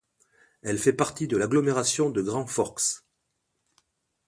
Elle fait partie de l’agglomération de Grand Forks.